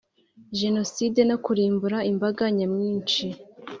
Jenoside no kurimbura imbaga nyamwinshi